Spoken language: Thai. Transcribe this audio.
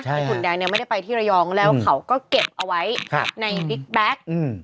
พี่หนุ่มแดงไม่ได้ไปที่ระยองแล้วเขาก็เก็บเอาไว้ในพลิกแบ๊ก